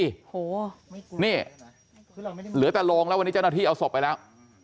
โอ้โหนี่เหลือแต่โรงแล้ววันนี้เจ้าหน้าที่เอาศพไปแล้ว